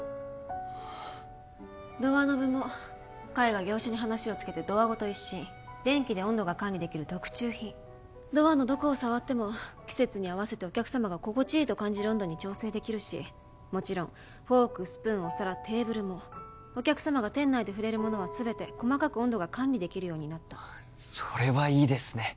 ドアノブも海が業者に話をつけてドアごと一新電気で温度が管理できる特注品ドアのどこを触っても季節に合わせてお客様が心地いいと感じる温度に調整できるしもちろんフォークスプーンお皿テーブルもお客様が店内で触れるものは全て細かく温度が管理できるようになったそれはいいですね